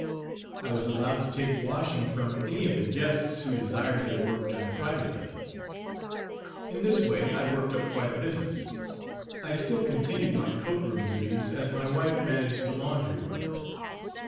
I was allowed to take washing from any of the guests who desired their work done privately. In this way I worked up quite a business. I still continued my coat room duties, as my wife managed the laundry work.